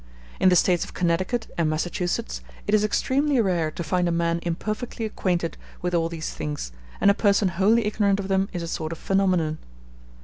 In the States of Connecticut and Massachusetts, it is extremely rare to find a man imperfectly acquainted with all these things, and a person wholly ignorant of them is a sort of phenomenon.